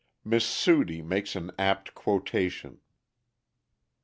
_Miss Sudie makes an Apt Quotation.